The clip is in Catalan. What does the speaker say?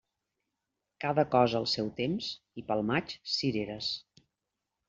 Cada cosa al seu temps, i pel maig, cireres.